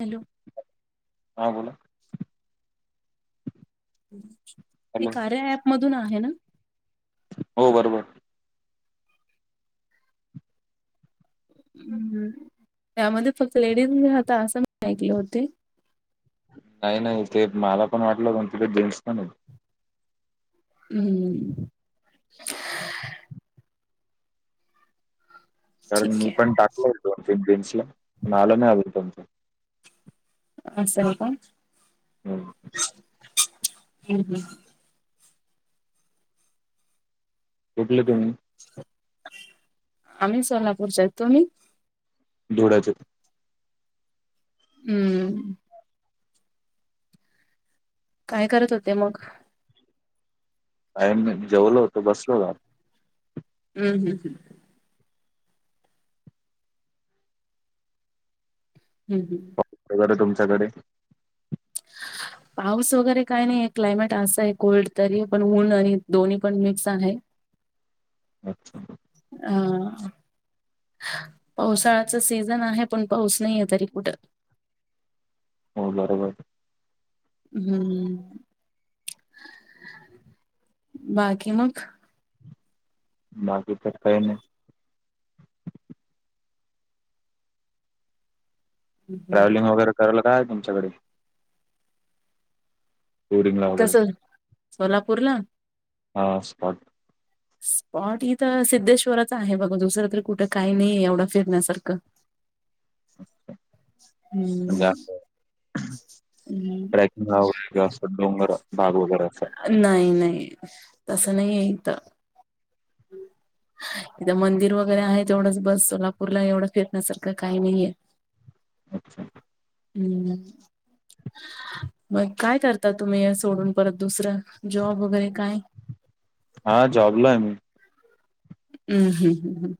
Hello. हा बोला. हे हॅलो कार्या ऍप मधून आहे ना. हो. बरोबर. ह् त्यामध्ये फक्त लेडीज राता असं मी ऐकले होते. नाही. नाही. ते मला पण वाटलंण तिथे जेंट्स पण आहेत. हम्. कारण ठीक मी आहे पण टाकल होतो बेन्स ला पण आलं नाही आव तमचं अ का हम् हम तुठलं तु्ही आम्ही सोनापूच्या तुमही ोडचं हम्म काय करत होते मग आणिम जेवलो होतो बसलो बा हम् हम् ह हम् ह कॉल वगैरे तुमच्याकडे ह पाऊस वगैरे काय नाही आहे क्लायमेट असं आहे कोल्ड तरी पण ऊन आणि दोन्ही पण मिक्स आहे [inaudible] अच्छा हा पावसाळ्याच सीझन आहे पण पाऊस नाही आहे तरी कुठं हो बरोबर हम्म बाकी मग बाकी तर काय नाही ट्रॅव्हलिंग वगैरेरायल काय तुमकडे टुरिंगला कस वगैरे सोलापूरला हां स्पॉट स्पॉट हिथ सिद्धेश्वरच आहे बघ दुसरं तरी कुठं काही नाही एवढं फिरण्यासारखं म्हणजे हम् असं हम् गाव व असं डोंगर भाग वगैरे असं नाही नाही तसं नाही येत हम् इथ मंदिर वगैरे आहे तेवढंच बस सोलापूरला एवढं फिरण्यासारखं काही नाहीये अच्छा हम्म मग काय करता तुम्ही या सोडून परत दुसरं जॉब वगैरे काय हा जॉबलो आहे मी हम् हम् हम् ह्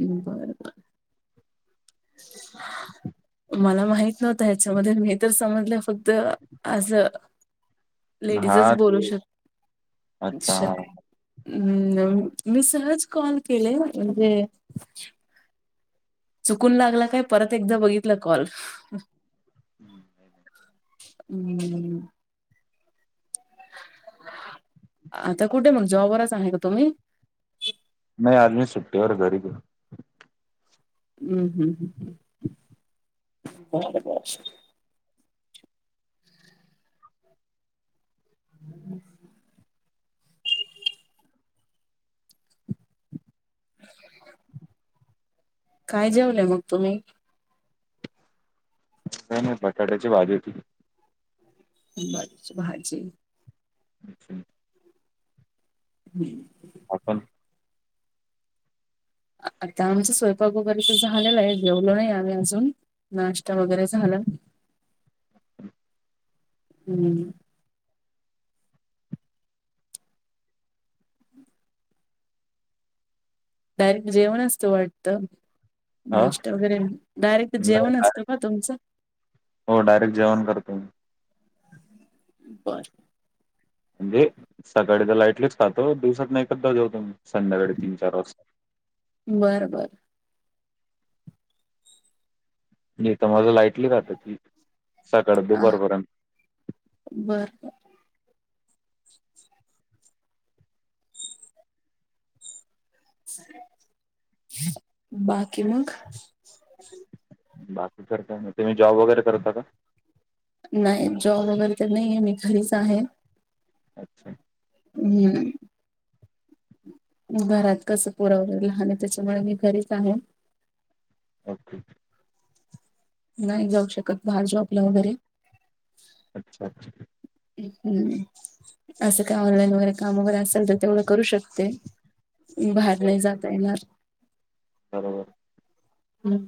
ह् बर बर मला माहित नव्हतं ह्याच्यामध्ये मी तर समजलं फक्त आज लेडीजच हा बोलू ते शकत अच्छा हम् मी सहज कॉल केले म्हणजे चुकून लागला काय परत एकदा बघितलं कॉल हम्म आता कुठे मग जॉबरच आहे का तुम्ही नाही आलमी सुट्टीवरऔर घरी हम्म हम्म ह् ह बरोबर बम् [inaudible] काय जेऊनय मग तुम्ही नाही नाही बटाट्याची भाजी होती बर श भाायज अच्छा ह. आपण. आता आमचं स्वयंपाकोगरीच झालेलं आहे, जेवलो नाही आम्ही अजून नाश्ता वगैरे झाला. हम्म. डायरेक्ट जेवण असतो वाटत हा नाष्ट्त, वगैरे डायरेक्ट नाही जेवण असतो. डायरेक्ट होतुमच [inaudible] हो डायरेक्ट जेवण करतो. बस. म्हणजे सकाळी तर लाईटलीच खातो. दिवसात नाही, एक द देऊ तुम्ही संध्याकाळी तीन चार वाजता. बरं बर. नाही तर माझ लाईटली जात, ती सकाळ आ दुपारपर्यंत. बर. बाकी मग. बाकी सर का नाही तुम्ही, जॉब वगैरे करता का? नाही जॉब वगैरे तर नाही, आहे मी घरीच आहे. अच्छा. हम्म. घरात कसं पुरवलेल आणि त्याच्यामुळे मी घरीच आहे. ओकेे. नाही जाऊ शकत, बाहेर जॉबला वगैरे अच्छा अच्छा. हम् असं काय ऑनलाईन वगैरे काम वगैरे, असेल तर तेमुळे करू शकत. ते बाहेर बरोबर. नाही, जात येणार. बरोबर. हम्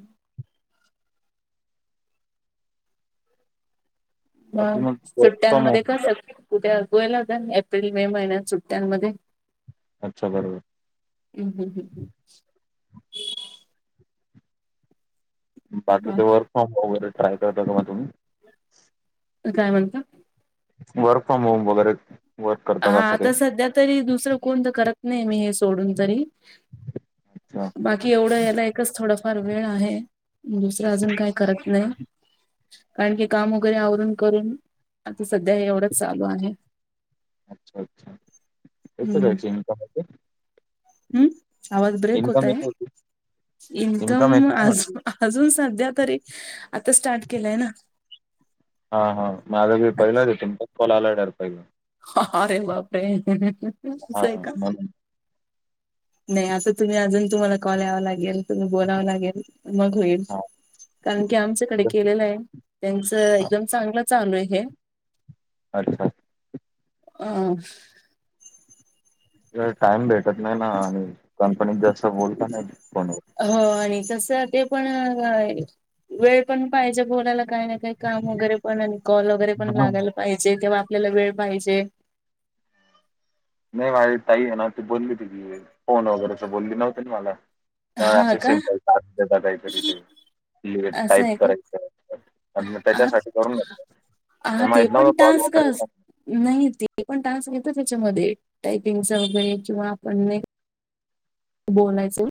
बाकी मग वर्क फ्रॉम सुट्ट्यांमध्ये होम कसं कुठे गोयला, एप्रिल मे महिन्यात सुट्ट्यांमध्ये. अच्छा बरोबर. हम् हमं हमं हं. हम्म. बाकीच वर्क बाकी फ्रॉम वगैरे, ट्राय करत का तुम्ही. काय म्हणता. वरफ होबगर. हा तर सध्या तरी दुसरं कोण तर, करत नाही मी हे सोडून तरी. अच्छा बाकी एवढं याला एकच, थोडाफार वेळ आहे. दुसरं अजून, काही करत नाही. कारण की काम वगैरे आवरून करून, आता सध्या एवढंच चालू आहे. अच्छा अच्छा, यत रच इ काचे. हम्म आवाज ब्रेक इन्कम होतय, येते याची? इन्कम इनकम येते का आज म्हटलं? अजून सध्या तरी आता, स्टार्ट केलंय ना हा हा माझंवी पहिलं ते तुमच्या, कोलालाडर पहिला हा अरे बापे हां, आहे हां. का? म्हणून. नाही असं तुम्ही अजून तुम्हाला कॉल यावा लागेल, तुम्ही बोलावं लागेल मग होईल. हां, कारण की आमच्याकडे तुमचं केलेलं आहे त्यांचं, हां. एकदम चांगलं चालू आहे हे. अच्छा. ह टाइम भेटत नाही ना आणि कंपनीत जास्त बोलता नाही फोन. हो आणि तसं ते पण. वेळ पण पाहिजे बोलायला काही, ना काही काम वगैरे पण आणि कॉल वगैरे. पण हां. लागायला पाहिजे तेव्हा, आपल्याला वेळ पाहिजे. नाही माझी ताई आहे ना्हती बोलली, तिझी फोन वगैरेच बोलली नव्हती ना मला. काय हा असे का सिम्पल काहीतरी ते असं टाईप आहे का करायचं मी हा त्याच्यासाठी करून घेत म हा, म ते इतदा पण टास्क पालूगैर नाही ते पण टान्स्क घेत त्याच्यामध्ये टायपिंगच वगैरे किंवा आपण बोलायचं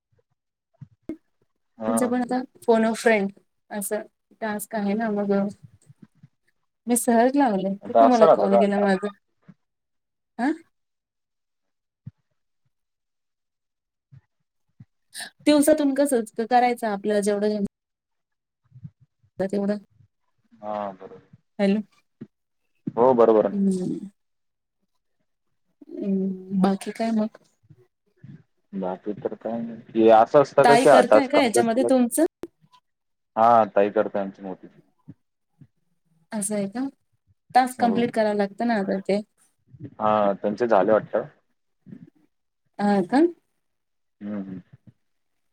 म्हणून. तुमचं हां. पण आता फोन ऑफ फ्रेंथ असं टास्क आहे ना मग मी सहज लावले आता तुम्हाला असं राहतं कॉल का? केला माझ ह दिवसातून कस करायचं आपल्याला जेवढंेव तेवढं हा बरोबर हॅलो हो बर ह हम्म बाकी काय मग बाकी तर काय नाही असं असतं का ताई कि करताय आताच का याच्यामध्ये कला तुमचं हा ताही करतय आमची मोठी असं आहे का टास्क हो कम्प्लीट कराव लागतं ना आता ते हा त्यांचे झाले वाटत अ का हम्म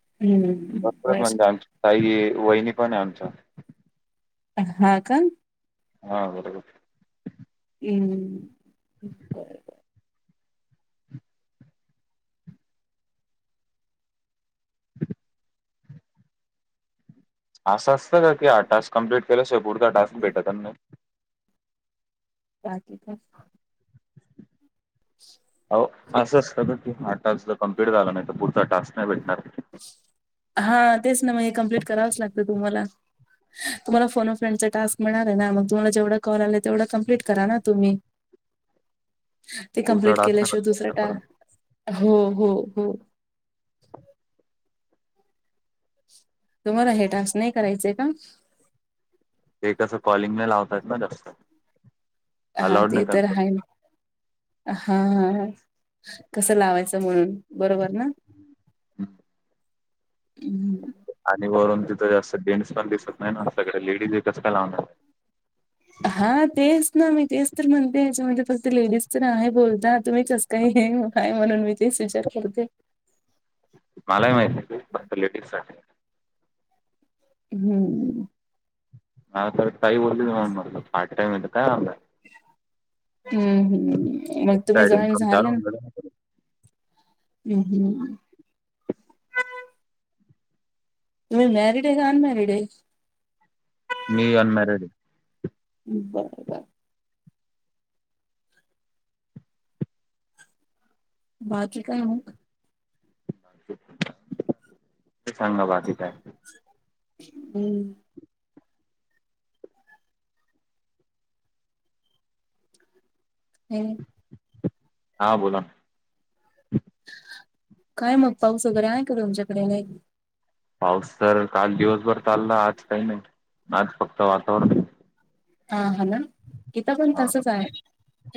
हम्म बरच बर म्हणजे आमची काही वहिनी पण आहे आमचा हा का हां बरोबर हम् असं असतं का की टास्क कं्प्लीट केल्या शिय पुरता टास्क भेटत नाही काची का [inaudible] हो असं असत का ते हा टास्क जर कम्प्लीट झाला नाही तर पुढचा टास्क नाही भेटणार हा तेच ना मग हे कम्प्लीट करावच लागतं तुम्हाला तुम्हाला फोन ओ फ्रेंड चा टास्क मिळालाय ना मग तुम्हाला जेवढा कॉल आला तेवढ कमप्लीट करा ना तुम्ही ते पुढचा कंप्लिट टास्क नाही केल्याशिवाय दुसरा भेटणार परत टास्क हो हो हो तुम्हाला हे टास्क नाही करायचय का ते कसं कॉलिंग नाही लावतात ना जास्त हा अलाउड ते नाही तर कंपनी आहे हा कसं लावायचं म्हणून बरोबर ना हं. हं आणि वरून तिथं जास्त जेन्टस पण दिसत नाही ना सगडे लेडीज कस काय लावणार आहे हा तेच ना मी तेच तर म्हणते याच्यामध्ये फक्त लेडीज तर आहे बोलता तुम्ही कसे नाही नाही काय म्हणून मी तेच विचार करते मलाही माहिती आहे फक्त लेडीज साठी आहे हम्म हा तर ताई बोलली मला पार्ट टाईम येत का आम हम्म हम्म मग तुम्ही साईड जॉईन इन्कम चालू झालं ना होऊन जाईल. हम् हम तुम्ही मॅरिड आहे का अनमॅरिड आहे मी अनमॅरेड ् बर बर बाकी काय मग ते सांग ना बाकी काय हम्म [inaudible] हां बोला काय मग पाऊस वगैरे आहे का तुमच्याकडे नाही पाऊस तर काल दिवसभर चालला आज काही नाही आज फक्त वातावरण आहे हा ह ना इथ पण तसच आहे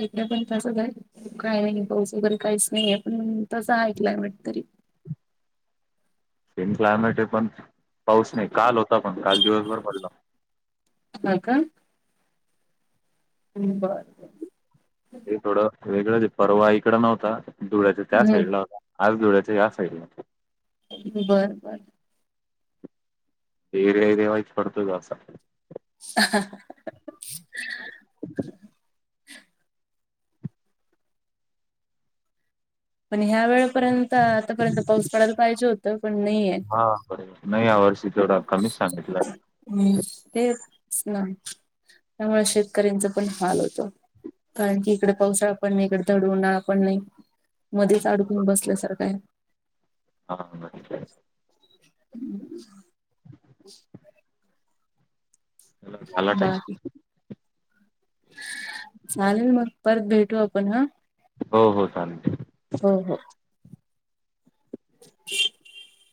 इकडं पण तसंच आहे काय नाही पाऊस वगैरे काहीच नाही आहे पण तसं ऐकलंय वाट तरी सेम क्लायमेट आहे पण पाऊस नाही काल होता पण काल दिवसभर पडला ह का बरं हे थोडं वेगळंच परवा इकड नव्हता धुळ्याच्या त्या हं, साइड ला होता आज धुळ्याच्या या साईडला बर बर एरिया एरिया वाइज पडतोच असा ह ह हा [unintelligible] पण ह्या वेळेपर्यंत आतापर्यंत पाऊस पडायला पाहिजे होत तर पण नाही येत हा बरोबर नाही या वर्षी तेवढा कमीच सांगितलं हम तेच ना त्यामुळे शेतकऱ्यांच पण हाल होत कारण की इकडे पावसाळा पण नाही इकडे धड उन्हाळा पण नाही मध्येच अडकून बसल्यासारख आहे हा ह हम्म [unintelligible] झाला टाईम बाकी चालेल मग परत भेटू आपण हा हो हो चालेल ठिक हो हो [unintelligible]